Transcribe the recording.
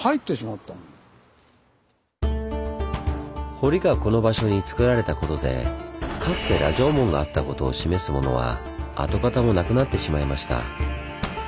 堀がこの場所につくられたことでかつて羅城門があったことを示すものは跡形もなくなってしまいました。